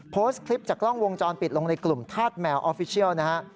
โพสต์คลิปจากกล้องวงจรปิดลงในกลุ่มธาตุแมวออฟฟิเชียลนะฮะ